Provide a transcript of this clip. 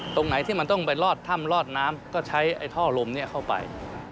ตรงไหนที่มันต้องไปลอดถ้ำลอดน้ำก็ใช้ไอ้ท่อลมนี้เข้าไป